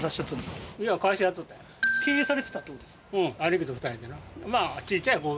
経営されてたってことですか？